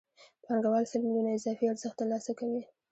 پانګوال سل میلیونه اضافي ارزښت ترلاسه کوي